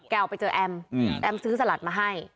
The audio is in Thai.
ไปเจอแอมแอมซื้อสลัดมาให้